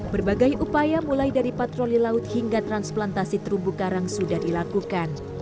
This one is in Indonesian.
berbagai upaya mulai dari patroli laut hingga transplantasi terumbu karang sudah dilakukan